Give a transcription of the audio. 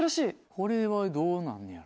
これはどうなんねやろ？